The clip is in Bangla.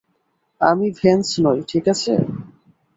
আমি ভ্যান্স নই, ঠিক আছে?